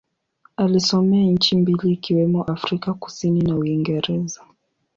Alisomea nchi mbili ikiwemo Afrika Kusini na Uingereza.